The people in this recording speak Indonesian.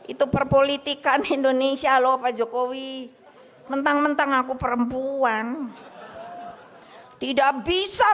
itu perpolitikan indonesia lho pak jokowi mentang mentang aku perempuan tidak bisa